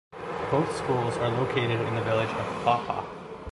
Both schools are located in the village of Paw Paw.